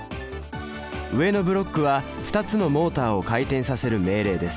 上のブロックは２つのモータを回転させる命令です。